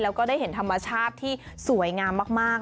แล้วก็ได้เห็นธรรมชาติที่สวยงามมาก